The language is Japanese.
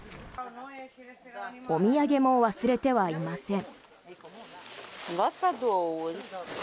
お土産も忘れてはいません。